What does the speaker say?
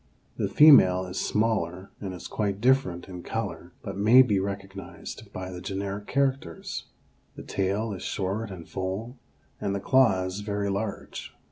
The female is smaller and is quite different in color, but may be recognized by the generic characters. The tail is short and full, and the claws very large.